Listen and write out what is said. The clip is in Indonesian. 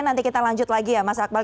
nanti kita lanjut lagi ya mas akbar